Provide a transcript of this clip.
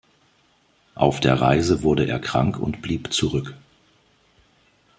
Auf der Reise wurde er krank und blieb zurück.